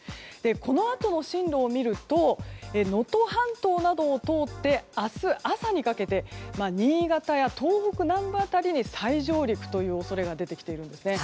このあとの進路を見ると能登半島などを通って明日朝にかけて新潟や東北南部辺りに再上陸という恐れが出てきているんですね。